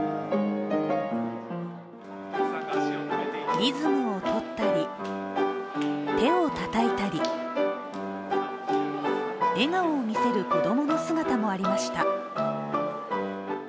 リズムをとったり、手をたたいたり笑顔を見せる子供の姿もありました。